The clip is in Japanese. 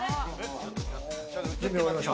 準備終わりました。